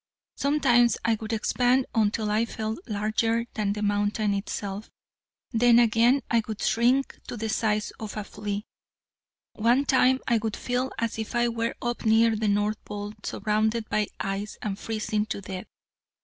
Sometimes I would expand until I felt larger than the mountain itself; then again I would shrink to the size of a flea. One time I would feel as if I were up near the North Pole, surrounded by ice and freezing to death.